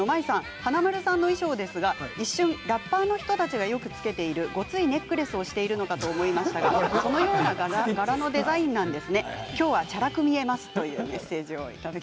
華丸さんの衣装ですが、一瞬ラッパーの人たちがよくつけているごついネックレスをしてるのかと思いましたが「みんなの体操」です。